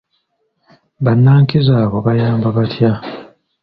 Bannankizo abo bayamba batya?